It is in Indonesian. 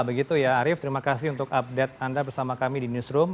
begitu ya arief terima kasih untuk update anda bersama kami di newsroom